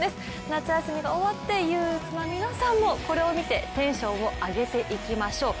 夏休みが終わって憂鬱な皆さんもこれを見てテンションを上げていきましょう。